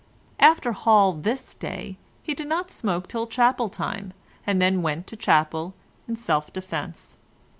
After hall this day he did not smoke till chapel time, and then went to chapel in self defence.